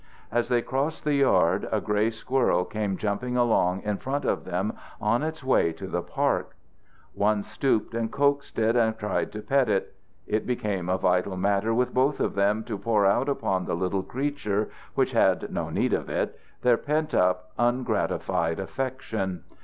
As they crossed the yard, a gray squirrel came jumping along in front of them on its way to the park. One stooped and coaxed it and tried to pet it: it became a vital matter with both of them to pour out upon the little creature which had no need of it their pent up, ungratified affection.